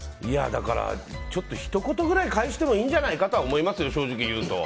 だからちょっとひと言くらい返してもいいんじゃないかと思いますね、正直に言うと。